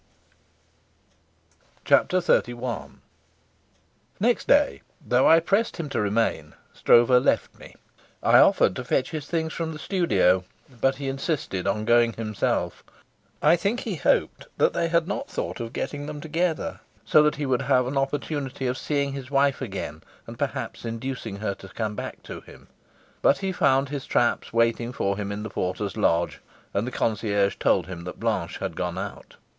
Chapter XXXI Next day, though I pressed him to remain, Stroeve left me. I offered to fetch his things from the studio, but he insisted on going himself; I think he hoped they had not thought of getting them together, so that he would have an opportunity of seeing his wife again and perhaps inducing her to come back to him. But he found his traps waiting for him in the porter's lodge, and the concierge told him that Blanche had gone out.